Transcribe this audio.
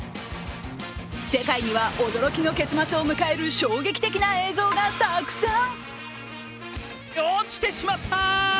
世界には驚きの結末を迎える衝撃的な映像がたくさん。